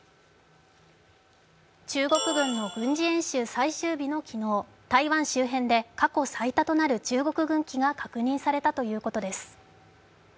中国軍の軍事演習最終日の昨日、台湾周辺で過去最多となる中国軍機が確認されたということです。